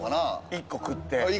１個食って。